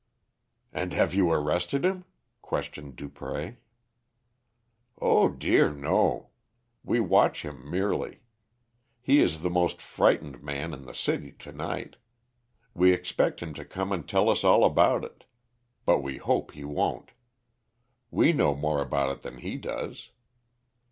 "And have you arrested him?" questioned Dupré. "Oh dear, no. We watch him merely. He is the most frightened man in the city to night. We expect him to come and tell us all about it, but we hope he won't. We know more about it than he does."